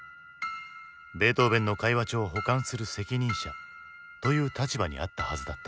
ベートーヴェンの会話帳を保管する責任者という立場にあったはずだった。